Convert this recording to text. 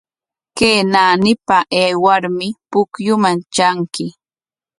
Kay naanipa aywarmi pukyuman tranki.